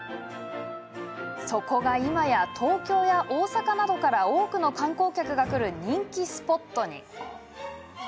そこが、今や東京や大阪などから多くの観光客が来る人気スポットに。